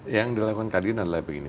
yang dilakukan kadin adalah begini